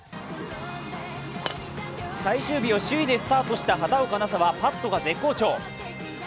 最終日を首位でスタートした畑岡奈紗はパットが絶好調